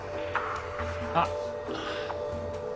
あっ。